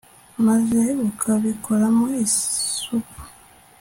maze ukabikoramo isupu